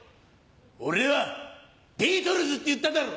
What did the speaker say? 俺は「ビートルズ」って言っただろ！